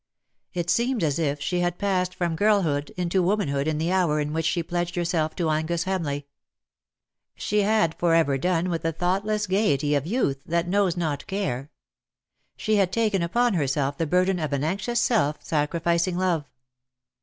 It seemed as if she had passed from girlhood into womanhood in the hour in which she pledged herself to Angus Hamleigh. She had for ever done with the thoughtless gaiety of youth that knows not care. She had taken upon herself the burden of an anxious, self sacrificing love.